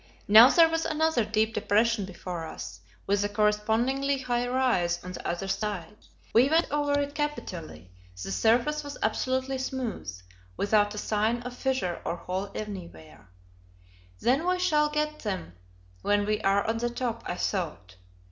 Now there was another deep depression before us; with a correspondingly high rise on the other side. We went over it capitally; the surface was absolutely smooth, without a sign of fissure or hole anywhere. Then we shall get them when we are on the top, I thought.